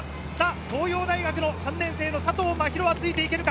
東洋大の３年生・佐藤真優はついていけるか？